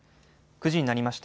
９時になりました。